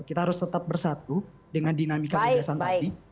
kita harus tetap bersatu dengan dinamika gagasan tadi